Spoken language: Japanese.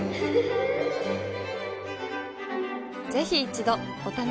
ぜひ一度お試しを。